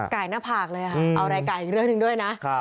ไก่หน้าผากเลยค่ะเอารายไก่อีกเรื่องหนึ่งด้วยนะ